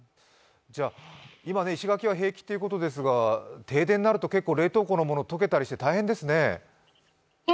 今、石垣は平気ということですが、停電になると冷凍庫のもの、溶けたりして大変ですね。